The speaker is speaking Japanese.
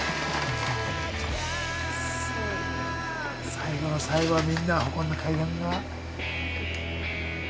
最後の最後はみんなを運んだ階段が。